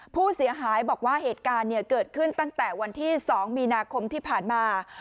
ผู้เสียหายบอกว่าเหตุการณ์เกิดขึ้นตั้งแต่วันที่๒มีนาคมที่ผ่านมา